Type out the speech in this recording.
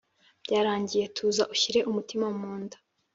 byarangiye tuza ushyire umutima munda"